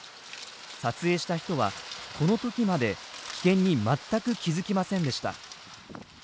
撮影した人はこのときまで危険に全く気付きませんでした。